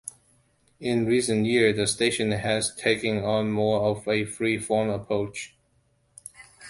In recent years, the station has taken on more of a free-form approach.